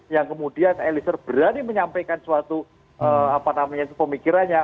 yang kemudian eliezer berani menyampaikan suatu pemikirannya